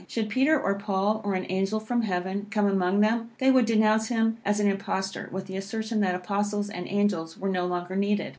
Should Peter or Paul, or an angel from heaven, come among them, they would denounce him as an impostor, with the assertion that Apostles and angels were no longer needed.